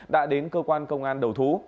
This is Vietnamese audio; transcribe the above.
đã đến cơ quan công an đầu thú